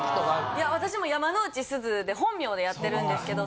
いや私も「山之内すず」で本名でやってるんですけど。